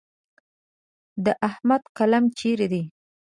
د احمد قلم چیرې دی؟